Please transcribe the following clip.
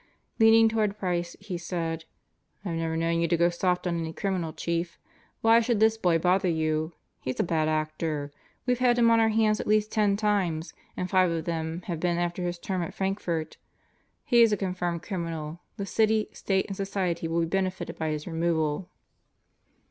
Leaning toward Price, he said: "I've never known you to go soft on any criminal, Chief. Why should this boy bother you? He's a bad actor. We've had him on our hands at least ten times, and five of them have been after his term at Frankfort. Chief Price 1$ Uneasy 7 He's a confirmed criminal. The city, state, and society will be benefited by his removal."